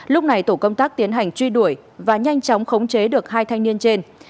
lúc này tổ công tác tiến hành truy đuổi và nhanh chóng khống chế được hai thanh niên trên